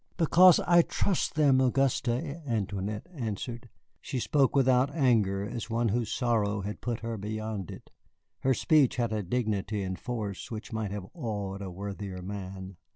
"Because I trust them, Auguste," Antoinette answered. She spoke without anger, as one whose sorrow has put her beyond it. Her speech had a dignity and force which might have awed a worthier man.